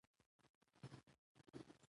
اداري واک د خدمت لپاره دی.